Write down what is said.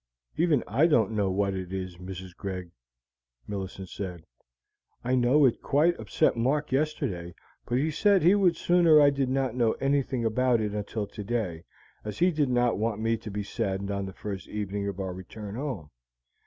"Even I don't know what it is, Mrs. Greg," Millicent said. "I know it quite upset Mark yesterday, but he said he would sooner I did not know anything about it until today, as he did not want me to be saddened on the first evening of our return home.